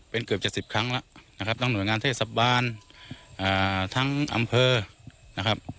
เป็นเกือบจะสิบครั้งแล้วนะครับทั้งหน่วยงานเทศบาลทั้งอำเภอนะครับ